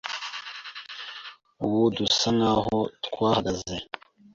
Ubu dusa n’aho twahagaze